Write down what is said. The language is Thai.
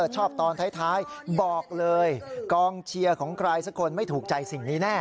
ตอนท้ายบอกเลยกองเชียร์ของใครสักคนไม่ถูกใจสิ่งนี้แน่